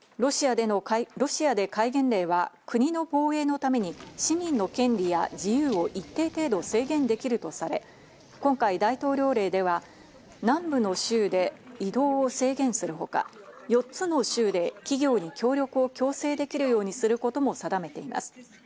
ロシアで戒厳令は国の防衛のために市民の権利や自由を一定程度、制限できるとされ、今回大統領令では南部の州で移動を制限するほか、４つの州で企業に協力を強制できるようにすることも定めています。